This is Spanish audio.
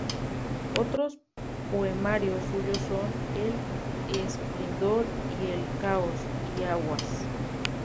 Otros poemarios suyos son: "El esplendor y el caos" y "Aguas".